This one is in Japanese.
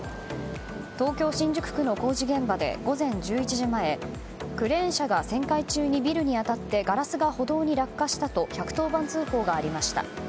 東京・新宿区の工事現場で午前１１時前クレーン車が旋回中にビルに当たってガラスが歩道に落下したと１１０番通報がありました。